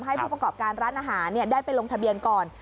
ให้ผู้ประกอบการร้านอาหารได้ไปลงทะเบียนก่อน